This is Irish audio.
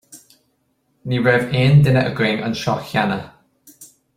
Ní raibh aon duine againn anseo cheana.